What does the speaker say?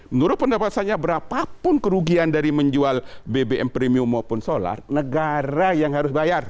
menurut pendapat saya berapapun kerugian dari menjual bbm premium maupun solar negara yang harus bayar